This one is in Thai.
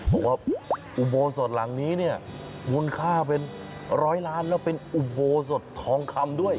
บอกว่าอุโบสถหลังนี้เนี่ยมูลค่าเป็นร้อยล้านแล้วเป็นอุโบสถทองคำด้วย